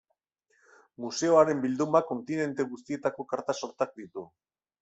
Museoaren bildumak kontinente guztietako karta-sortak ditu.